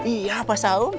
iya pak saum